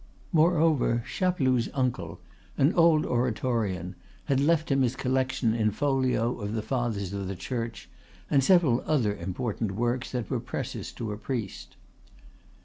Moreover, Chapeloud's uncle, an old Oratorian, had left him his collection in folio of the Fathers of the Church, and several other important works that were precious to a priest.